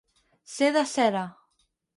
Ser de cera.